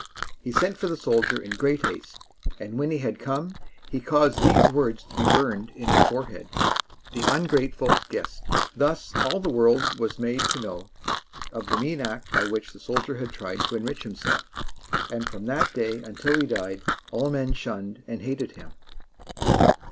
He sent for the soldier in great haste; and when he had come, he caused these words to be burned in his forehead: "THE UNGRATEFUL GUEST." Thus all the world was made to know of the mean act by which the soldier had tried to enrich himself; and from that day until he died all men shunned and hated him.